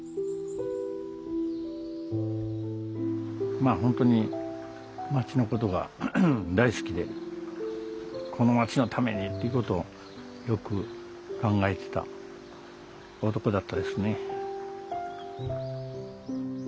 まあ本当に町のことが大好きでこの町のためにっていうことをよく考えてた男だったですね。